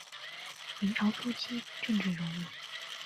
明朝初期政治人物。